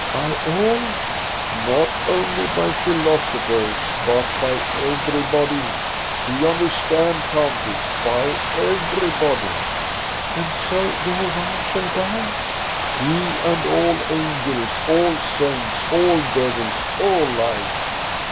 "By all?" " Not only by philosophers, but by everybody ; do you understand, countess, by everybody." " And so Jehovah shall die ?"" He and all angels, all saints, all devils, all lies."